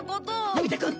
のび太くん！